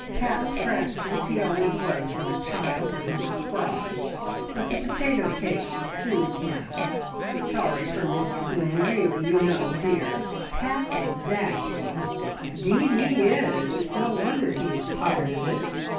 Pat's fractious; he always was from a child when he was crossed, but the potato cakes will soothe him. I'm sorry for Mr Glynn. Really, you know, dear, Pat's exacting!" "'Deed he is. It's no wonder he is tired of it."